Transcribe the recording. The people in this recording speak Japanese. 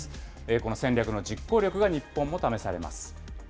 この戦略の実行力が、日本も試されます。